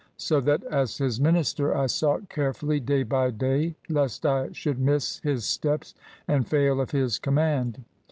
So that, as His minister, I sought carefully day by day lest I should miss His steps and fail of His command.